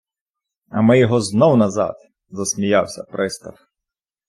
- А ми його знов назад! - засміявся пристав.